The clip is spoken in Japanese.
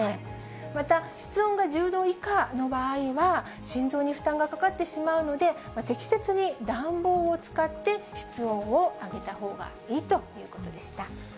また、室温が１０度以下の場合は、心臓に負担がかかってしまうので、適切に暖房を使って室温を上げたほうがいいということでした。